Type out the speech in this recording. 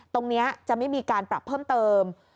ตรงนี้จะไม่มีการปรับเพิ่มเติม